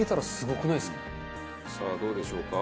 さあどうでしょうか？